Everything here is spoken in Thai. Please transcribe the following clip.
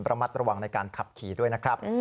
ระมัดระวังในการขับขี่ด้วยนะครับ